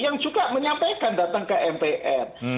yang juga menyampaikan datang ke mpr